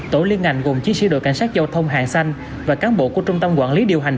tổ liên ngành gồm chiến sĩ đội cảnh sát giao thông hàng xanh và cán bộ của trung tâm quản lý điều hành